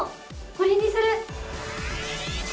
これにする！